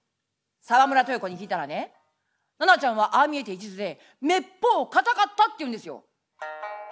「沢村豊子に聞いたらね奈々ちゃんはああ見えていちずでめっぽう堅かったっていうんですよ」。